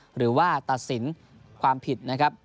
หรือทัดสินความผิด